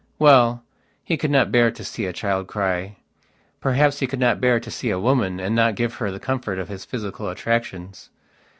Well, he could not bear to see a child cry. Perhaps he could not bear to see a woman and not give her the comfort of his physical attractions.